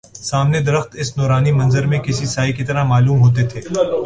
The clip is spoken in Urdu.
سامنے درخت اس نورانی منظر میں کسی سائے کی طرح معلوم ہوتے تھے